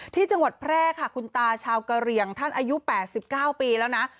ที่จังหวัดแพร่ค่ะคุณตาชาวกะเหลี่ยงท่านอายุ๘๙ปีแล้วนะ